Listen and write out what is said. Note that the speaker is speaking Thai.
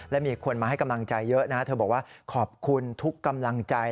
และมีคนมาให้กำลังใจเยอะนะเธอบอกว่าขอบคุณทุกกำลังใจ